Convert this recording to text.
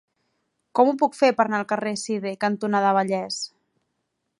Com ho puc fer per anar al carrer Sidé cantonada Vallès?